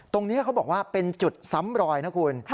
ตรงนี้เขาบอกว่าเป็นจุดซ้ำรอยนะคุณ